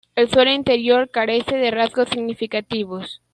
El suelo interior carece de rasgos significativos.